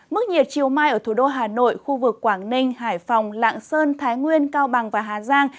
mức nhiệt chiều mai ở thủ đô hà nội khu vực quảng ninh hải phòng lạng sơn thái nguyên cao bằng và hà giang